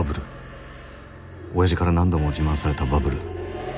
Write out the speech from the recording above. おやじから何度も自慢されたバブル。